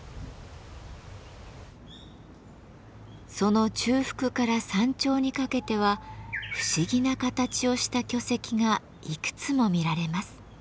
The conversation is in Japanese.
その中腹から山頂にかけては不思議な形をした巨石がいくつも見られます。